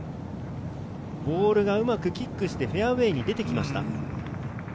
ボールがうまくキックして、フェアウエーに出てきました。